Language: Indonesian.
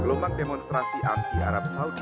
gelombang demonstrasi arti arab saudi